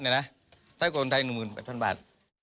ในราคา๑๐๐๐๐บาท